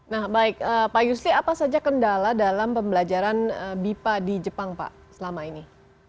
nah baik pak yusri apa saja kendala dalam pembelajaran bipa di jepang pak selama ini